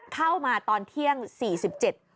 เข้ามาตอนเที่ยงสี่สิบเจ็ด